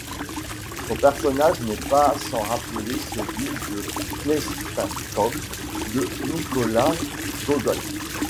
Son personnage n'est pas sans rappeler celui de Khlestakov de Nicolas Gogol.